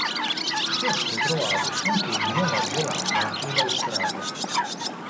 Può essere trovato anche in Nuova Zelanda e Australia.